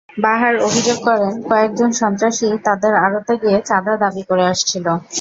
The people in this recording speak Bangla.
বাহার অভিযোগ করেন, কয়েকজন সন্ত্রাসী তাঁদের আড়তে গিয়ে চাঁদা দাবি করে আসছিল।